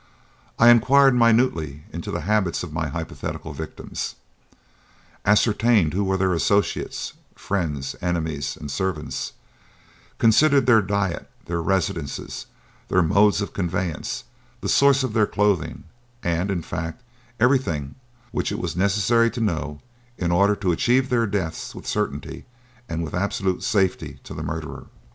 I inquired minutely into the habits of my hypothetical victims; ascertained who were their associates, friends, enemies and servants; considered their diet, their residences, their modes of conveyance, the source of their clothing and, in fact, everything which it was necessary to know in order to achieve their deaths with certainty and with absolute safety to the murderer."